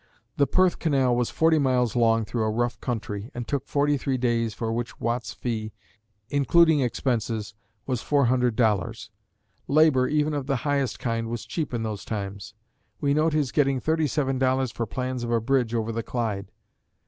The Perth Canal was forty miles long through a rough country, and took forty three days, for which Watt's fee, including expenses, was $400. Labor, even of the highest kind, was cheap in those times. We note his getting thirty seven dollars for plans of a bridge over the Clyde.